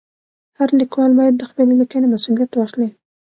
هر لیکوال باید د خپلې لیکنې مسؤلیت واخلي.